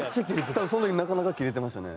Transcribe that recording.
多分その時なかなかキレてましたね。